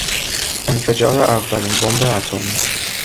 انفجار اولین بمب اتمی